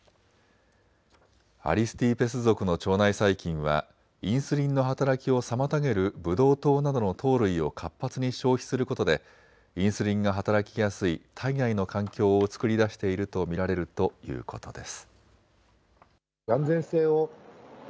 アリスティペス属の腸内細菌はインスリンの働きを妨げるブドウ糖などの糖類を活発に消費することでインスリンが働きやすい体内の環境を作り出していると見られるということです。